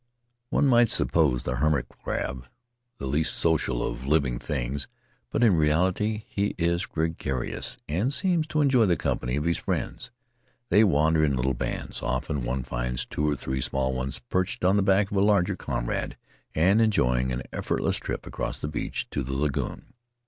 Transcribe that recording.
One might suppose the hermit crab the least social of living things, but in reality he is gregarious and seems to enjoy the company of his friends. They wander in little bands; very often one finds two or three small ones perched on the back of a larger comrade and enjoying an effortless trip across the beach to the lagoon.